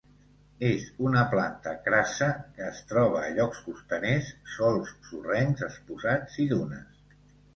És una planta crassa que es troba a llocs costaners, sòls sorrencs exposats i dunes.